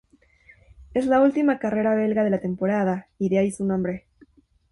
Es la última carrera belga de la temporada y de ahí su nombre.